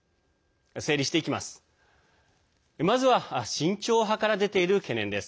整理していきます。